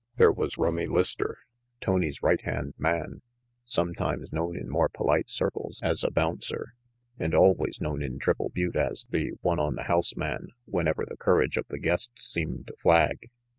There was Rummy Lister, Tony's right hand man, some times known in more polite circles as a bouncer, and always known in Triple Butte as the one on the house man whenever the courage of the guests seemed to flag.